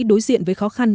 đối diện với khó khăn